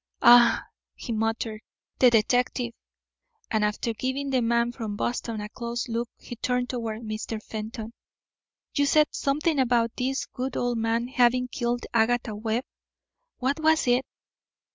"Ah," he muttered, "the detective!" And after giving the man from Boston a close look he turned toward Mr. Fenton. "You said something about this good old man having killed Agatha Webb. What was it?